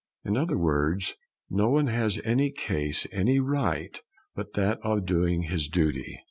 In other words, no one has in any case any Right but that of doing his Duty.